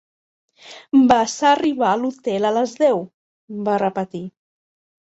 "Vas arribar a l'hotel a les deu", va repetir.